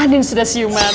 andin sudah siuman